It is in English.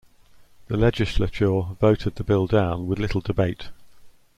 The legislature voted the bill down with little debate.